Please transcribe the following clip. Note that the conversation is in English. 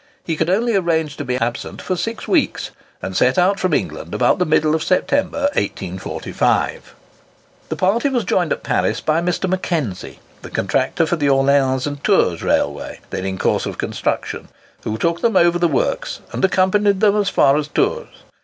He could only arrange to be absent for six weeks, and set out from England about the middle of September, 1845. The party was joined at Paris by Mr. Mackenzie, the contractor for the Orleans and Tours Railway, then in course of construction, who took them over the works, and accompanied them as far as Tours.